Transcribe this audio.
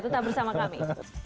tetap bersama kami